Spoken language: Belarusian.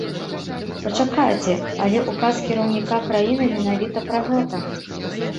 Пачакайце, але ўказ кіраўніка краіны менавіта пра гэта.